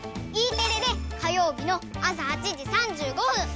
Ｅテレで火曜日のあさ８時３５分。